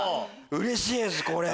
うれしいですこれ。